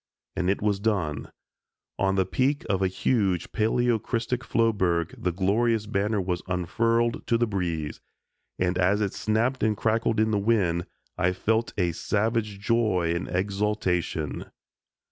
and it was done; on the peak of a huge paleocrystic floeberg the glorious banner was unfurled to the breeze, and as it snapped and crackled with the wind, I felt a savage joy and exultation.